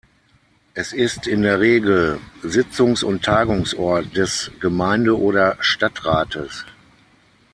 Es ist in der Regel Sitzungs- und Tagungsort des Gemeinde- oder Stadtrates.